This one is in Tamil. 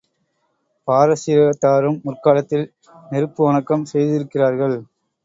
பாரசீகத்தாரும் முற்காலத்தில் நெருப்பு வணக்கம் செய்திருக்கிறார்கள்.